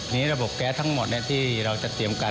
นี่ระบบแก๊สทั้งหมดที่เราจะเตรียมการ